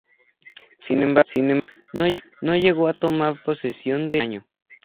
Sin embargo, no llegó a tomar posesión del escaño.